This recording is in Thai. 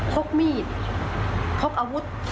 พกมีดพกอาวุธ